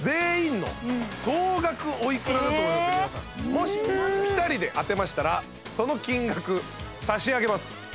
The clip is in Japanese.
もしぴたりで当てましたらその金額差し上げます。